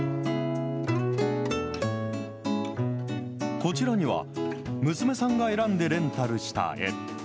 こちらには、娘さんが選んでレンタルした絵。